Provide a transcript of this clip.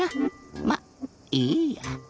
まっいいや。